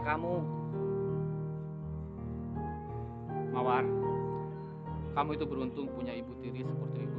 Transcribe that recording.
katanya ngedukung aku rajin rajin terus